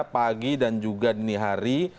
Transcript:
pagi dan juga dini hari